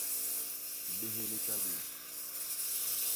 Mbéhél i ta bé.